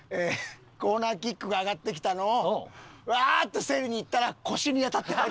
コーナーキックが上がってきたのをワーッと競りにいったら腰に当たって。